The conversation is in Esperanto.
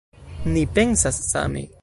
Ni pensas same.